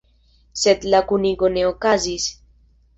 Sed la kunigo ne okazis.